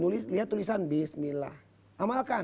lihat tulisan bismillah amalkan